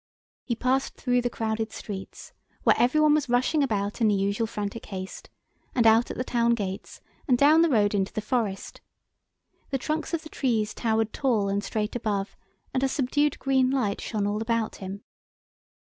He passed through the crowded streets, where every one was rushing about in the usual frantic haste, and out at the town gates, and down the road into the forest. The trunks of the trees towered tall and straight above, and a subdued green light shone all about him.